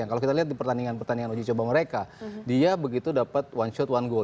kalau kita lihat di pertandingan pertandingan uji coba mereka dia begitu dapat one shot one goal